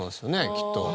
きっと。